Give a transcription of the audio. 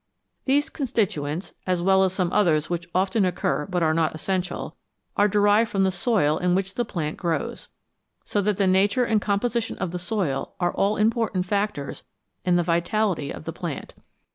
These con stituents, as well as some others which often occur but are not essential, are derived from the soil in which the plant grows, so that the nature and composition of the soil are all important factors in the vitality of the plant.